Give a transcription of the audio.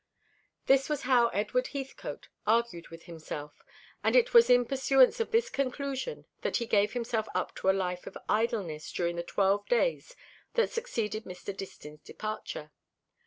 This was how Edward Heathcote argued with himself; and it was in pursuance of this conclusion that he gave himself up to a life of idleness during the twelve days that succeeded Mr. Distin's departure.